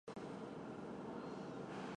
开创了中国网站出假日版的先河。